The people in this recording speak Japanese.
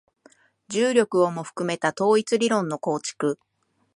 重力をも含めた統一理論の構築